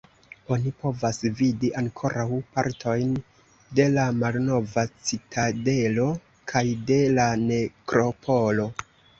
Oni povas vidi ankoraŭ partojn de la malnova citadelo kaj de la nekropolo.